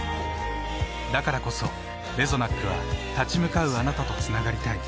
だからこそレゾナックは立ち向かうあなたとつながりたい。